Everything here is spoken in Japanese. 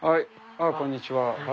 あこんにちは。